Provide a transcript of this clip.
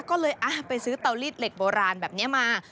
ก็เลยไปซื้อเตาลีดเหล็กโบราณแบบนี้มา